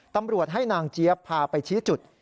ตำรวจให้นางเจี๊ยบพาไปชี้จุด